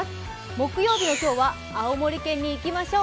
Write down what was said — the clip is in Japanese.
木曜日の今日は青森県に行きましょう。